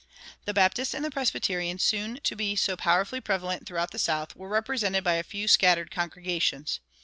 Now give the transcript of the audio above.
The Baptists and the Presbyterians, soon to be so powerfully prevalent throughout the South, were represented by a few scattered congregations.